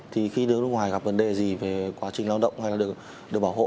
thì khi nước ngoài gặp vấn đề gì về quá trình lao động hay là được bảo hộ